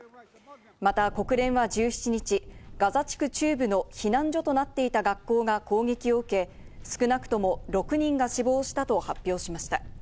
また国連は１７日、ガザ地区中部の避難所となっていた学校が攻撃を受け、少なくとも６人が死亡したと発表しました。